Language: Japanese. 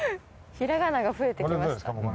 ひらがなが増えてきました。